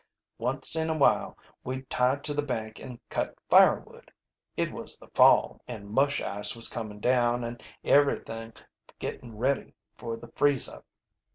Once in a while we'd tie to the bank an' cut firewood. It was the fall, an' mush ice was comin' down, an' everything gettin' ready for the freeze up.